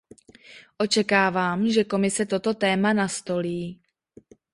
Očekávám, že Komise toto téma nastolí.